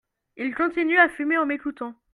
il continuait à fumer en m'écoutant.